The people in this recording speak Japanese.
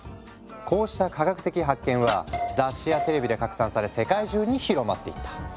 こうした科学的発見は雑誌やテレビで拡散され世界中に広まっていった。